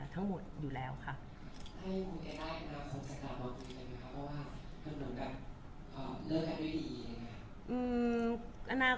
คุณผู้ถามเป็นความขอบคุณค่ะ